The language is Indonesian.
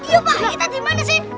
iya pak kita dimana sih